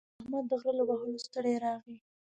احمد د غره له وهلو ستړی راغی.